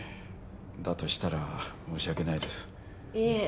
だとしたら申し訳ないですいいえ